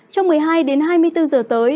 trong một mươi hai hai mươi bốn h tới